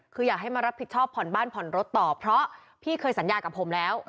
คืออยากให้มารับผิดชอบผ่อนบ้านผ่อนรถต่อเพราะพี่เคยสัญญากับผมแล้ว